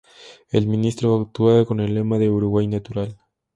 El ministerio actúa con el lema de "Uruguay Natural".